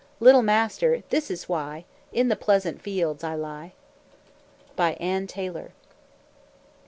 Little master, this is why In the pleasant fields I lie." ANN TAYLOR.